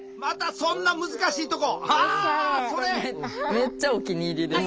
めっちゃお気に入りです。